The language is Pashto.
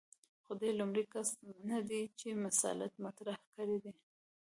خو دی لومړنی کس نه دی چې مسأله مطرح کړې ده.